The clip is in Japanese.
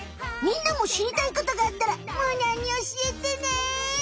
みんなもしりたいことがあったらむーにゃんにおしえてね！